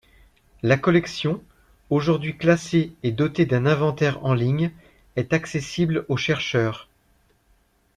La collection, aujourd’hui classée et dotée d’un inventaire en ligne est accessible aux chercheurs.